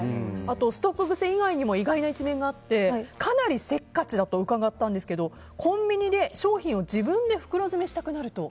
ストック癖以外にも意外な一面があってかなりせっかちだと伺ったんですけどコンビニで商品を自分で袋詰めしたくなると。